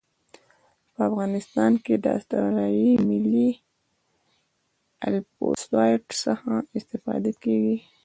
په افغانستان کې د اسټرلیایي ملي الپسویډ څخه استفاده کیږي